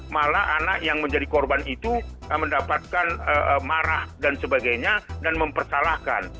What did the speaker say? malah anak yang menjadi korban itu mendapatkan marah dan sebagainya dan mempersalahkan